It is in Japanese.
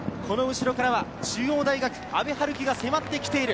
この後ろからは中央大学・阿部陽樹が迫ってきている。